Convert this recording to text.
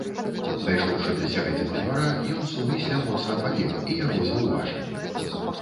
Дайшоўшы да сярэдзіны двара, ён сумысля моцна пабег, і яго заўважылі.